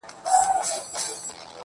د ملا لوري نصيحت مه كوه .